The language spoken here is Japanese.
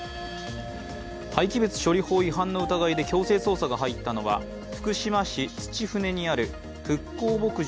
廃棄物処理法違反の疑いで強制捜査に入ったのは福島市土船にある復興牧場